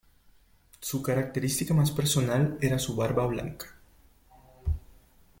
Su característica más personal era su barba blanca.